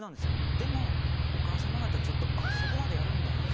でもお母様方ちょっと「あっそこまでやるんだ」。